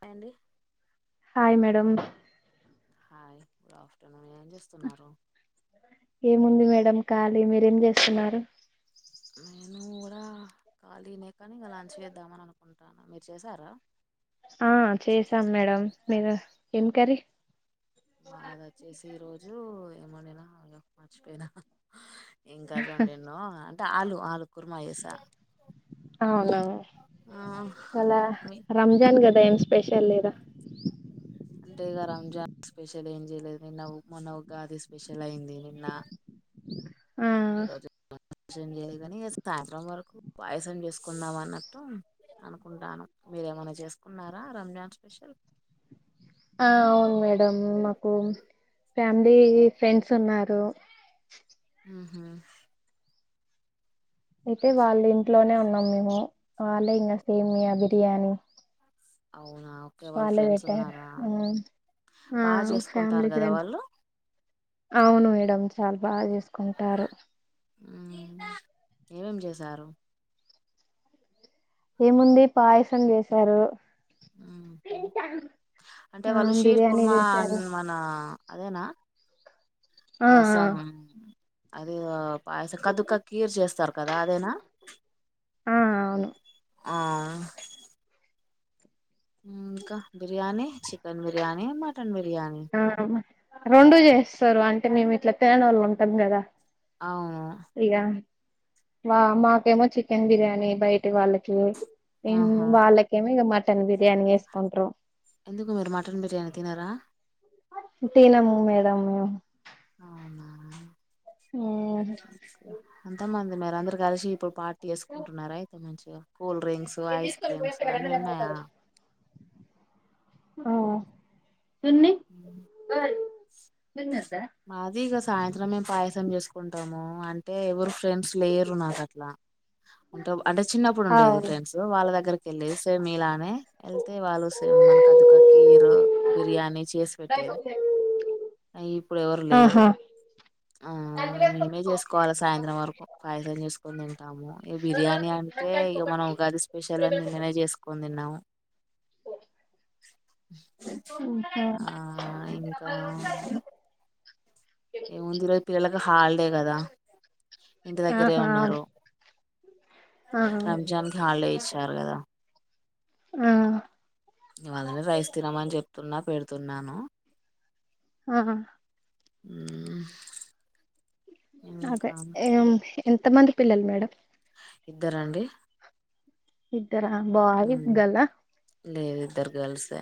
Hi అండి hi madam hi good afternoon ఏం చేస్తున్నారు. ఏముంది మేడం ఖాలీ మీరేం చేస్తున్నారు. నేను కూడా ఖాళీనే కానీ ఇక లంచ్ చేద్దామని అనుకుంటాన్న, మీరు చేసారా? ఆ చేసాం మేడం మీది ఏం కర్రీ మాది వచ్చేసి ఈ రోజు ఏమ్ వండినా అయ్యో మర్చిపోయినా ఏం కర్రీ వండిన్నో అంటే ఆలు, ఆలు కుర్మా చేసా అవునా ఆ ఇవాళ మీ రంజాన్ గదా ఏం స్పెషల్ లేదా అంటే ఇగ రంజాన్ స్పెషల్ ఇయాల ఏం చేయలేదు, నిన్న మొన్న ఉగాది స్పెషల్ అయింది నిన్న ఆ ఈ రోజు సం చేయగాని సాయంత్రం వరకు పాయసం చేసుకుందాం అన్నట్టు అనుకుంటాన్నాం మీరేమన్నా చేసుకున్నారా రంజాన్ స్పెషల్ ఆ అవును మేడం మాకు ఫ్యామిలీ ఫ్రెండ్స్ ఉన్నారు ఉహూ అయితే వాళ్ళ ఇంట్లోనే ఉన్నాం మేము వాళ్ళే ఇంకా సేమ్యా బిర్యానీ అవునా ఓకే వాళ్ళ వాళ్ళే ఫ్రెండ్స్ పెట్టారు ఉన్నారా మ్ ఆ బాగా చేసుకుంటారు ఫ్యామిలీ కదా ఫ్రెండ్స్ వాళ్ళు అవును మేడం చాలా బాగా చేసుకుంటారు హ్మ్ ఏమేం చేశారు ఏముంది పాయసం చేసారు మ్ హూ అంటే ఆ వాళ్ళు షీర్ బిర్యానీ కుర్మా అ చేశారు మన అదేనా ఆ సం అది పాయసం కదుక కీర్ చేస్తారు కదా అదేనా ఆ అవును ఆ మ్ ఇంకా బిర్యానీ చికెన్ బిర్యానీ మటన్ బిర్యా ఆ రెండు చేస్తారు అంటే మేము ఇట్లా తిననోళ్ళు ఉంటాం కదా అవును ఇగ వా మాకేమో చికెన్ బిర్యానీ బయటి వాళ్ళకి ఆహా వాళ్ళకేమో ఇగ మటన్ బిర్యానీ చేస్కుంట్రు ఎందుకు మీరు మటన్ బిర్యానీ తినరా తినము మేడం అవునా మ్మ్ ఓకే ఎంత మ మరి అందరు కలిసి ఇప్పుడు పార్టీ చేేసుకుంటున్నారా అయితే మంచిగా కూల్ డ్రింక్సు ఐస్ క్రీమ్స్ అన్నీ ఉన్నాయా హ్మ్ విన్ని విన్నత మాది ఇగ సాయంత్రమే పాయసం చేసుకుంటాము అంటే ఎవరు ఫ్రెండ్స్ లేరు నాకు అట్లా ఉంట అంటే చిన్నప్పుడు ఉండేది అవును ఫ్రెండ్స్ వాళ్ళ దగ్గర సేమ్ మీలానే యెళ్తే వాళ్ళు సేమ్ మన కాదుకా కీరు బిర్యానీ చేసిపెట్టేది అయి ఇప్పుడు ఎవరు లేరు ఆహా ఆ ఇగ మేమే చేసు కోవాల సాయంత్రం వరకు పాయసం చేసుకొని తింటాము ఇగ బిర్యానీ అంటే ఇగ మనం ఉగాది స్పెషల్ నిన్ననే చేసుకుని తిన్నాము ఓ ఆ ఇంకా హా ఏముంది ఈరోజు పిల్లలకు హాలిడే కదా ఇంటి దగ్గరే ఆహా ఉన్నారు అవును రంజాన్ కి హాలిడే ఇచ్చినారు గదా ఆ ఇగ‌ వాళ్లని రైస్ తినమని చెప్తున్నా పెడుతున్నాను ఆహా మ్మ్ అదే ఎంత మంది పిల్లలు మేడం ఇద్దరండి ఇద్దరా బాయ్ గర్ల్ ఆ ఇద్దర్ గర్ల్సే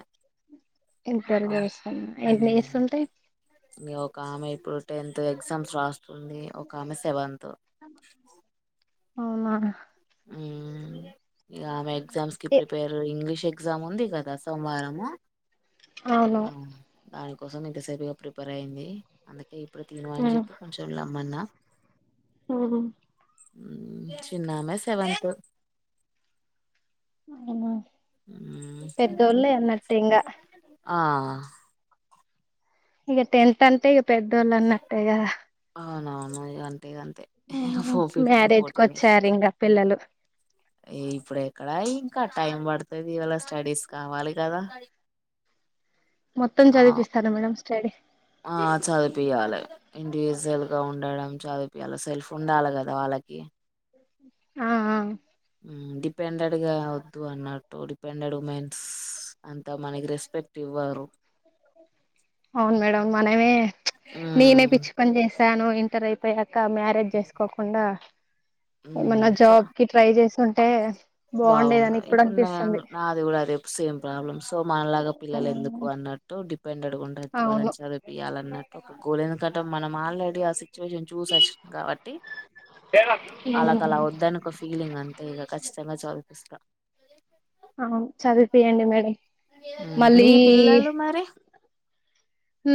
ఇద్దరు గర్ల్ ఆ ఎన్ని హ్మ్. ఇయర్స్ ఉంటాయి ఒక ఆమె ఇప్పుడు టెన్త్ ఎగ్జామ్స్ రాస్తుంది ఒక ఆమె సెవెన్త్ అవునా హ్మ్ ఇగ ఆమె ఎగ్జామ్స్ కి ఏ ప్రిపేర్ ఇంగ్లీష్ ఎ ఎగ్జామ్ ఉంది కదా సోమవారం అవును అ కోసం ఇంతసేపుగా ప్రిపేర్ అయింది అందుకే ఇప్పుడు తిను అని చెప్పి కొంచెం లెమ్మన్నా హ్మ్ చిన్న ఆమె సెవెంత్ అవునా ఉమ్ పెద్దోళ్ళె ఎల్ న్నట్టు ఇంగా ఆ ఇగ టెంత్ అంతే ఇగ పెద్దోళ్ళన్నట్టే గద అనానుయ్యగాని మ్యారేజ్కి వచ్చారు ఇంగ పిల్లలు ఏ ఇప్పుడు ఎక్కడ ఇంకా టైం పడుతది ఇవాళ స్టడీస్ కావాలి కదా మొత్తం ఆ చదివిపిస్తార మేడం స్టడీ ఆ చదిపియాలి ఇండివిజ్వల్ గా ఉండడం చదిపియాలి సెల్ఫ్ ఉండాలి గదా వాళ్ అకి ఆ ఆ డిపెండెడ్గా వద్దు అన్నట్టు డిపెండెడ్ ఉమెన్స్ అంతా మనగిరెస్ ఎపెక్ట్ ఇవ్వారు అవును మేడం మనమే నేనే ఉమ్ పిచ్చి పని చేసాను ఇంటర్ అయిపోయా ఇంకా మ్యారేజ్ జేస్కోకుండా ఉమ్ ఏమన్నా చ జాబ్ కి ట్రై చేసి ఉంటే బాగుండు బావుండేదని ఇప్పుడు అనిపిస్తుంది నేను నాది కూడా అదే సేమ్ ప్రాబ్లమ్ సో మనలాగా పిల్లలు అవును ఎందుకు అన్నట్టు డి బండడుగుండ ఎత్వాలని చదువుపియాలన్నట్టు కూలిందుకట్ట మనం ఆల్రెడీ అస్సల్ చొజ్యం చూసొచ్చినం కాబట్టి ఆళ్ళకి అలా ఉమ్ వద్దని ఒక ఫీలింగ్ అంతే ఇగ ఖచ్చితంగా చదివ్పిస్త అవును చదుపియండి మేడం మళ్ళీ మీ పిల్లలు మరి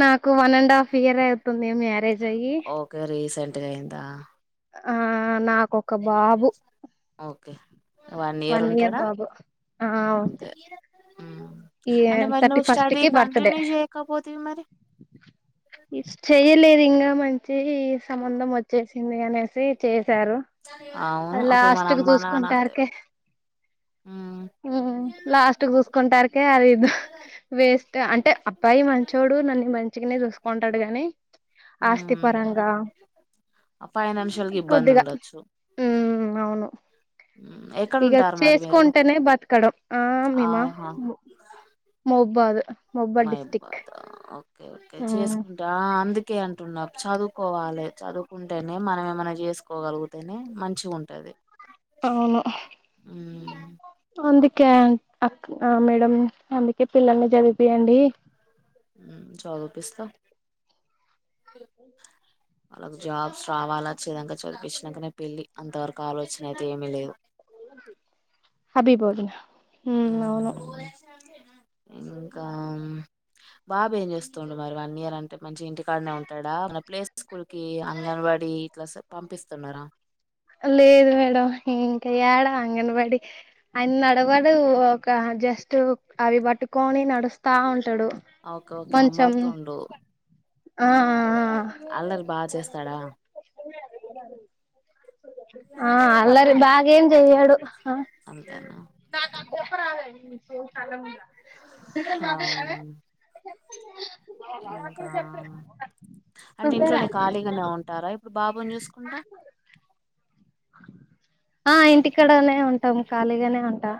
నాకు వన్ అండ్ హాఫ్ ఇయర్ అవుతుంది మ్యారేజ్ అయ్యి ఓకే రీసెంట్గా అయిందా ఆ నాకు ఒక బాబు ఓకే వన్ ఇయర్ ఉంటాడ ఆ అంతే ఉమ్. ఈ అంటే మరి థర్టీ నువ్వు ఫస్ట్ స్టడీ కి బర్త్ డే కంటిన్యూ చేయకపోతివి మరి చెయ్యలేదు ఇంగా మ నుంచి ఈ సంబంధం వచ్చేసింది అనేసి చేశారు ఆ అవును అప్పుడు మన లాస్ట్ కి అమ్మ నాన్న అంతే చూస్కుంటార్కె ఉమ్, లాస్ట్ చూస్కుంటార్కె అది ఇదు వేస్ట్ అంటే అబ్బాయి మంచోడు నన్ను మంచిగనే చూసుకుంటాడు గాని ఆస్తి ఉమ్. పరంగా ఫైనాన్షియల్ గ ఇబ్బంది కొద్దిగా ఉండొచ్చు ఉమ్, ఎక్కడ ఇగ ఉంటారు మరి మీరు చేస్కుంటేనే బతకడం ఆ మేమా ఆహా మొబాదు మయబాద ఓకే ఓకే చేసుకుంటా అందు కే అంటున్నా చదువుకోవాలి చదువుకుంటేనే మనం ఏమన్నా చేసుకోగలిగితేనే మంచి గ ఉంటది అవును అంద్ కెన్ అక్ మేడం అందుకే పిల్లల్ని చదివ్పియండి చదివ్పిస్తా వాళ్ళకు జాబ్స్ రావాల వచ్చే దాక చదిపించ్చినకనే పెళ్లి అంత వరకు ఆలోచన అయితే ఏమీ లేదు అబిబోదిన ఉమ్మ్ అవును ఇంకా బాబు ఏం చేస్తుండు మరి వన్ ఇయర్ అంటే మంచి ఇంటికాడనే ఉంటాడా ఎమ్మన ప్లేస్ స్కూల్ కి అంగన్వాడి ఈ పంపిస్తున్నారా లేదు మేడం ఇంకా ఏడా అంగన్వాడి ఆయన నడవడు ఒక జస్ట్ అవి పట్టుకొని నడుస్తా ఉంట ఓకే ఓకే కొంచం అంబాడుతుండు ఆ ఆ అల్లరి బాగా చేస్తాడా ఆ అల్లరి బాగా ఏం చెయ్యడు అంతేనా తాత చెప్పరాదే ఓ సల్లగుండ ఆ చక ఇంకా చె [unintelligible] అంటే ఇంట్లోనే ఖాళీగానే ఉంటారా ఇప్పుడు బాబుని చూసుకుంటా ఆ ఇంటికాడనే ఉంటాము ఖాళీగానే ఉంటా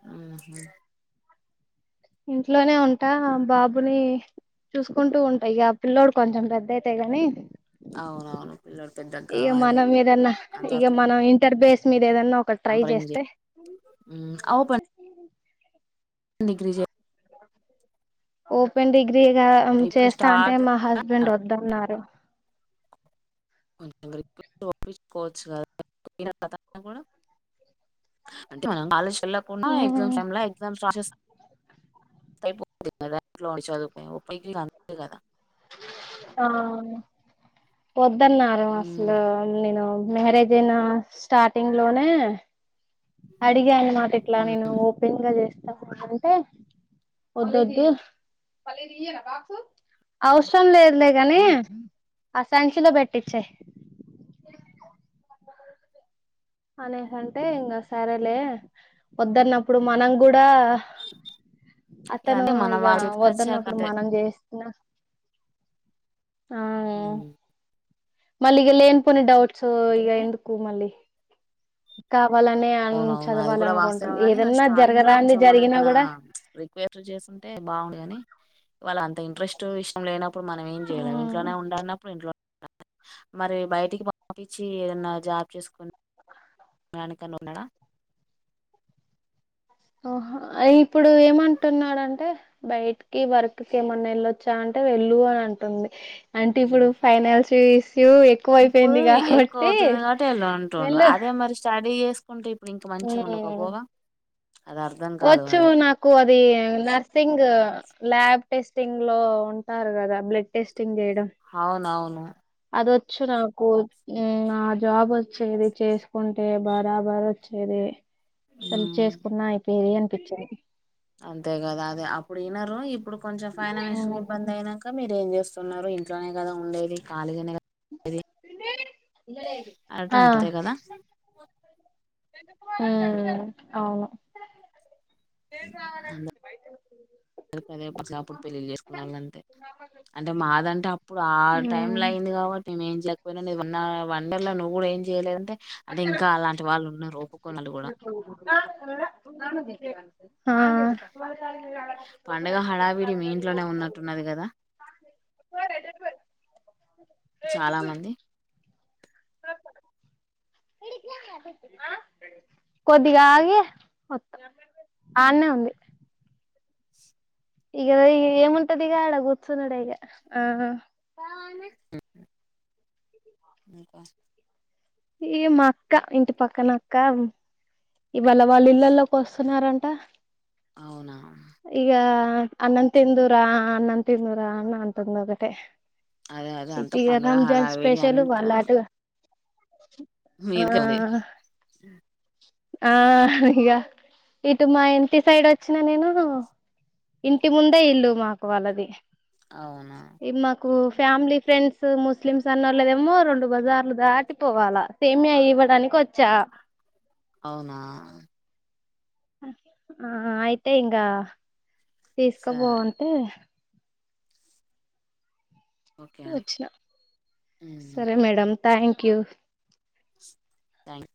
ఆహ [inaudible] ఇంట్లోనే ఉంటా బాబుని చూసుకుంటూ ఉంటా ఆ పిల్ల్లోడు కొంచెం పెద్దయితే గాని అవునవును పిల్లోడు పెద్దగా ఇగా కావాలి మనం ఏదన్నా ఇగా అంతవరకు మనం ఇంటర్ బేస్ లేదన్నా ఒక ట్రై టెంపరింగ్ చేస్తే ఓపెన్ డిగ్రీ చే ఓపెన్ డిగ్రీగా అంటే ఇప్పుడే చేస్తా అంటే స్టార్ట్ మా హస్బెండ్ వ ద్దన్నారు ఒప్పించుకోవచ్చు కదా అంటే మనం కాలేజీకి వెళ్లకుండా ఎగ్జామ్స్ టైం లో ఎగ్జామ్స్ రాసేసి అయిపోతది కదా ఇంట్లో ఉండి చదువుకో అంతే కదా ఆ వద్దన్నారు అసలు ఉమ్ నేను మ్యారేజ్ అయినా స్టార్టింగ్ లోనే అడిగాను మాట ఇట్లా నేను ఉమ్ ఓపెన్ గా చేస్తా అంటే వద్దు వద్దు అవసరం లేదులే కానీ ఆసంచిలో పెట్టించ అనీ అంటే ఉమ్. ఇంగా సరేలే వద్దన్నప్పుడు మనం కూడా ఇక అతను అంటే మన ఇగా వాళ్ళ చేతికి వచ్చాక వద్దన్నప్పుడు అంటే మనం చేసిన హామ్ మళ్లీ ఇగ లేని పోని డౌట్స్ అంటే ఇగ ఎందుకు మళ్ళీ కావాలనే అన్ అవున అవునా అది కూడా వాస్తవమే చదవాలనుకుంటుంది కానీ ఏదన్నా స్టార్టింగ్ లో జరగరాంది కొంచెం జరిగినా మనమేమన్నా కూడా రిక్వెస్ట్ చే బాగుండుగని వాళ్ళ అంత ఇంట్రెస్ట్ విషయం లేనప్పుడు మనం ఏం చేయలేం మ్మ్ ఇంట్లోనే ఉండాన్నప్పుడు ఇంట్లో మరి బయటికి పంపించి ఏదన్న జాబ్ చేసుకుని వెళ్లకని ఉన్నాడా ఆహ అ ఇప్పుడు ఏమంటున్నాడంటే బయటికి వర్క్కి ఏమన్నా వెళ్ళొచ్చా అం ఆ వెళ్ళు అని అంటుంది అంటే ఇప్పుడు ఉమ్ ఫైనల్స్ ఇప్పుడు ఎక్కువ అవుతుంది కాబట్టి ఎలా అంటుండు వెళ్ళు అదే మరి స్టడీ చే సుకుంటే ఇప్పుడు ఇంకా మంచిగా మ్మ్ ఉండకపోవా వచ్చు నాకు అది నర్సింగ్ ల్యాబ్ టెస్టింగ్ లో ఉంటారు కదా బ్లడ్ టెస్టింగ్ చేయడం అవునవును అదొచ్చు నాకు నా జాబ్ వచ్చేది చేసుకుంటే బరాబర్ వచ్చేది అసలు ఉమ్ చేసుకున్నా అయిపోయేదే అనిపించింది అంతే కదా అదే అప్పుడు వినరు ఇప్పుడు కొంచెం ఫైనాన్షియల్ ఇబ్బంది మ్మ్ అయినాక మీరు ఏం చేస్తా న్నారు ఇంట్లోనే కదా ఉండేది ఖాళగానే కదా త [inaudible] అరట అంటార కదా హ ఉమ్, అవును ఉ అ అదే పసపుడు పెళ్లిళ చేసుకునే వాళ్ళ అంతే అంటే మాదంటే అప్పుడు ఆ టైమ్ లో అయింది కాబటీ నేను ఏంయకపోయినా వండర్ లో నువ్వు కూడా ఏం చేయలేదంటే అంటే ఇంకా అలాంటి వాళ్ళు ఉన్నారు ఒప్పుకోని వాళ్ళు పట్టుకర కూడా ఆ పొండ్రి పండగ హడావిడి మీ ఇంట్లోనే ఉన్నట్టున్నది కదా అటు వెళ్లిపోండి చాలా మంది కాదు కొద్దిగా ఆగి అత్త అన్న ఉంది ఈగ ఏముంటదికా ఆ కూసునుడే ఇగా ఆ ఇంకా ఏ మా అక్క ఇంటి పక్కన అక్క ఇవాళ వాళ్ళ ఇళ్లల్లోకి వస్తున్నారంట అవునా అన్నంతి దూరా అన్నంత తి దూరా అన్న అంతంద ఒకటతే అదే అదే అంతా పండగ హలావిది స్పెషల్ అంత వాళ్ళ అటు ఆ ఆ ఇగా ఇటు మా ఇంటి సైడ్ వచ్చిన నేను ఇంటి ముందే ఇల్లు మాకు వాళ్ళది అవునా ఇది మాకు ఫ్యామిలీ ఫ్రెండ్స్ ముస్లిమ్స్ అన్న లేదేమో రెండు బజార్లు దాటిపోవాలా సేమ్యా ఇవ్వడానికి వచ్చా అవునా ఆ అయితే ఇంకా సరే తీసుకోబావుంటే ఓకే అండి వచ్చినా సరే మేడం థ్యాంక్ యూ థాంక్స్